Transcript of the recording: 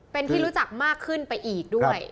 เป็นที่รู้จักมากขึ้นไปอีกด้วย